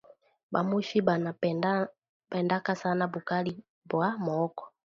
Ba mushi bana pendaka sana bukali bwa mooko